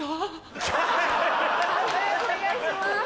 判定お願いします。